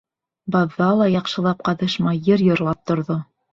Баҙҙа ла яҡшылап ҡаҙышмай йыр йырлап торҙо.